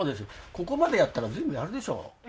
ここまでやったら全部やるでしょう。